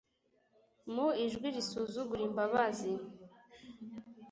Mu ijwi risuzugura imbabazi